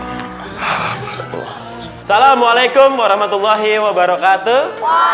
assalamualaikum warahmatullahi wabarakatuh